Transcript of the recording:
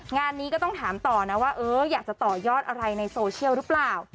งานนี้ก็ต้องถามต่อนะว่าเอออยากจะต่อยอดอะไรในโซเชียลหรือเปล่า